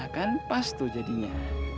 kan pas tuh jadinya